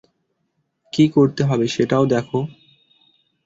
কী করতে হবে, সেটাও দেখ।